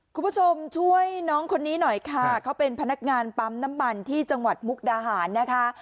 คุณผู้ชมช่วยน้องคนนี้หน่อยค่ะเขาเป็นพนักงานปั๊มน้ำมันที่จังหวัดมุกดาหารนะคะ